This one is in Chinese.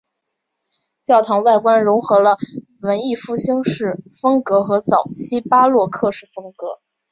教堂外观揉合了文艺复兴式风格和早期巴洛克式风格。